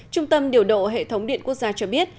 trung tâm điều độ hệ thống điện quốc gia cho biết